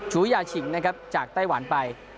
ูยาฉิงนะครับจากไต้หวันไป